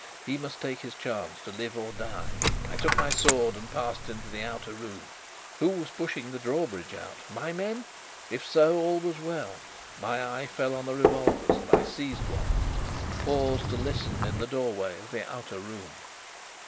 He must take his chance, to live or die. I took my sword, and passed into the outer room. Who were pushing the drawbridge out my men? If so, all was well. My eye fell on the revolvers, and I seized one; and paused to listen in the doorway of the outer room.